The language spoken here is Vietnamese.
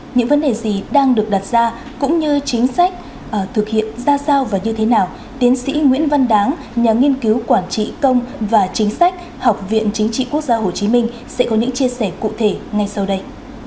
những vấn đề gì đang được đặt ra cũng như chính sách thực hiện ra sao và như thế nào tiến sĩ nguyễn văn đáng nhà nghiên cứu quản trị công và chính sách học viện chính trị quốc gia hồ chí minh sẽ có những chia sẻ cụ thể ngay sau đây